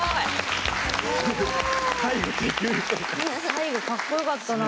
最後かっこよかったな。